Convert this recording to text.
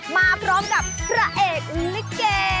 มาพร้อมกับพระเอกลิเก